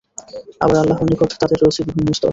আবার আল্লাহর নিকট তাদের রয়েছে বিভিন্ন স্তর।